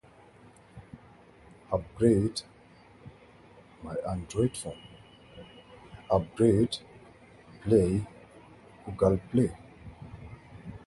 In his last parliamentary term he was a full member of the committee.